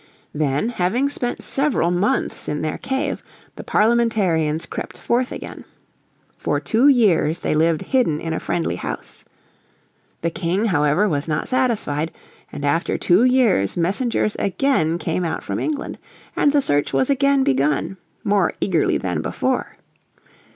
Then, having spent several months in their cave, the Parliamentarians crept forth again. For two years they lived hidden in a friendly house. The King, however, was not satisfied, and after two years messengers again came out from England, and the search was again begun, more eagerly than before.